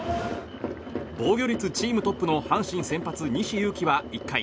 防御率チームトップの阪神先発、西勇輝は１回。